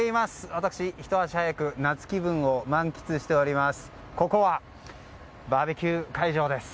私、ひと足早く夏気分を満喫しております。